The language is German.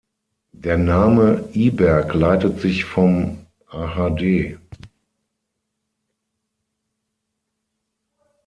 Der Name Iberg leitet sich vom ahd.